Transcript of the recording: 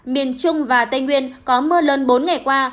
miền trung và tây nguyên có mưa lớn bốn ngày qua